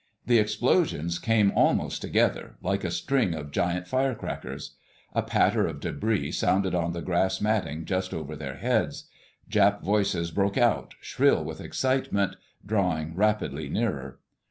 The explosions came almost together—like a string of giant firecrackers. A patter of debris sounded on the grass matting just over their heads. Jap voices broke out, shrill with excitement, drawing rapidly nearer.